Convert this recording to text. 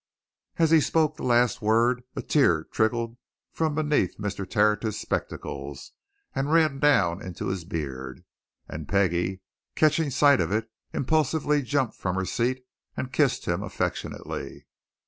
As he spoke the last word a tear trickled from beneath Mr. Tertius's spectacles and ran down into his beard, and Peggie, catching sight of it, impulsively jumped from her seat and kissed him affectionately.